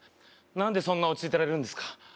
何でそんな落ち着いてられるんですか